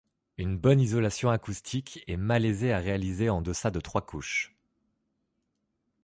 Une bonne isolation acoustique est malaisée à réaliser en deçà de trois couches.